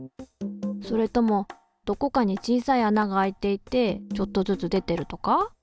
それともどこかに小さいあながあいていてちょっとずつ出てるとか？